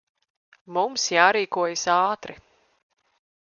Mums jārīkojas ātri.